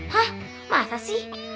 hah masa sih